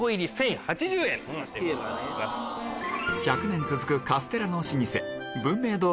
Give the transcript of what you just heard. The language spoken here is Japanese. １００年続くカステラの老舗文明堂